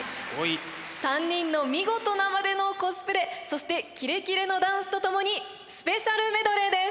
３人の見事なまでのコスプレそしてキレキレのダンスとともにスペシャルメドレーです。